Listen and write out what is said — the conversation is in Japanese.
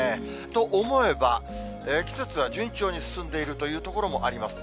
と思えば、季節は順調に進んでいるというところもあります。